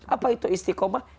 apa itu istiqomah